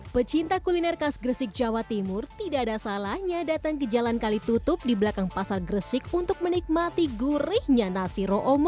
pecinta kuliner khas gresik jawa timur tidak ada salahnya datang ke jalan kali tutup di belakang pasar gresik untuk menikmati gurihnya nasi roomong